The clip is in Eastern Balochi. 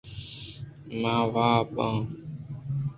من واب ءَ آں۔